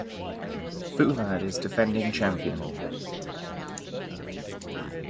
Foolad is defending champion.